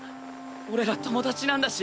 俺ら友達なんだし。